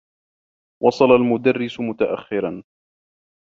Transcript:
وصل المدرّس متأخّرا.